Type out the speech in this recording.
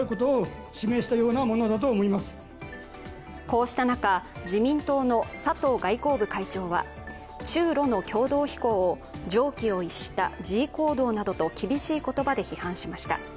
こうした中、自民党の佐藤外交部会長は、中ロの共同飛行を常軌を逸した示威行動などと厳しい言葉で批判しました。